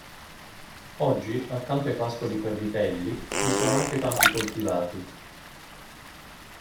Oggi, accanto ai pascoli per vitelli, vi sono anche campi coltivati.